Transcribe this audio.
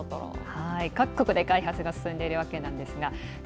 各国で開発が進んでいるんですがで